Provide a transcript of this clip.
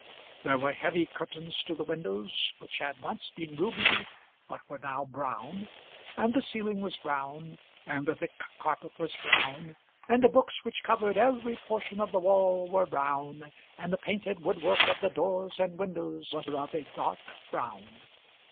There were heavy curtains to the windows, which had once been ruby but were now brown; and the ceiling was brown, and the thick carpet was brown, and the books which covered every portion of the wall were brown, and the painted wood work of the doors and windows was of a dark brown.